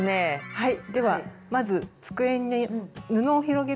はい。